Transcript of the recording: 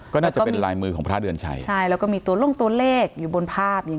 ก็น่าจะเป็นลายมือของพระเดือนชัยใช่แล้วก็มีตัวลงตัวเลขอยู่บนภาพอย่าง